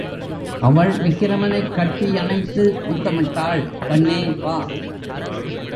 அவள் விக்கிரமனைக் கட்டி அணைத்து முத்தமிட்டாள் கண்ணே, வா.